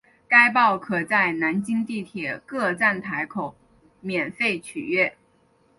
该报可在南京地铁各站台口免费取阅。